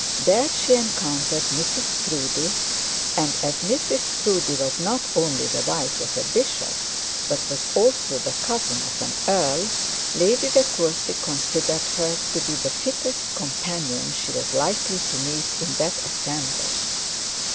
There she encountered Mrs Proudie, and as Mrs Proudie was not only the wife of a bishop, but was also the cousin of an earl, Lady De Courcy considered her to be the fittest companion she was likely to meet in that assemblage.